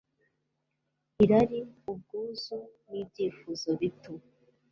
irari, ubwuzu, n'ibyifuzo bito